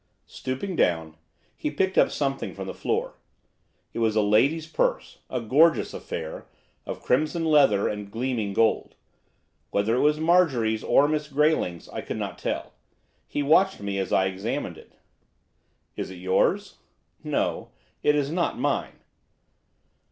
Stooping down, he picked up something from the floor. It was a lady's purse, a gorgeous affair, of crimson leather and gleaming gold. Whether it was Marjorie's or Miss Grayling's I could not tell. He watched me as I examined it. 'Is it yours?' 'No. It is not mine.